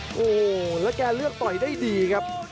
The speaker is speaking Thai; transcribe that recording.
โอ้โหแล้วแกเลือกต่อยได้ดีครับ